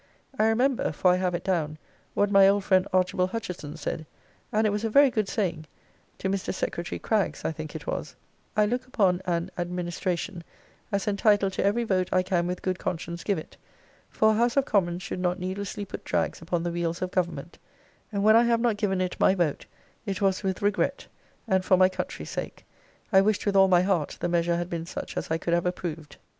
I remember (for I have it down) what my old friend Archibald Hutcheson said; and it was a very good saying (to Mr. Secretary Craggs, I think it was) 'I look upon an administration, as entitled to every vote I can with good conscience give it; for a house of commons should not needlessly put drags upon the wheels of government: and when I have not given it my vote, it was with regret: and, for my country's sake, I wished with all my heart the measure had been such as I could have approved.'